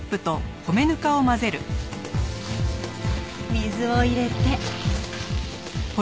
水を入れて。